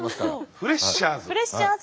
フレッシャーズ！